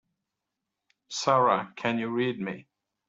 Sara can you read me?